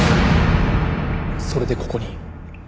それでここに。